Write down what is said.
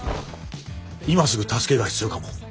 今すぐ助けが必要かも。